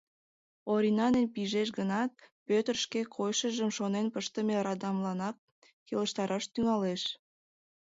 Орина дене пижеш гынат, Пӧтыр шке койышыжым шонен пыштыме радамланак келыштараш тӱҥалеш.